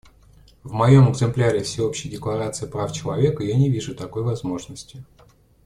В моем экземпляре Всеобщей декларации прав человека я не вижу такой возможности.